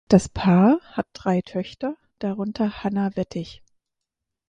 Das Paar hat drei Töchter, darunter Hannah Wettig.